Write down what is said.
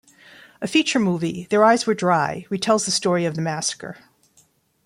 A feature movie, "Their Eyes Were Dry", retells the story of the massacre.